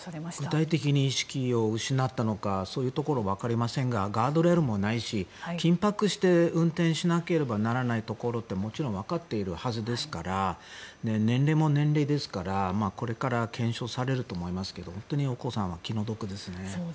具体的に意識を失ったのかそういうところ、わかりませんがガードレールもないし緊迫して運転しなければならないところってもちろんわかっているはずですから年齢も年齢ですからこれから検証されると思いますけど本当にお子さんは気の毒ですね。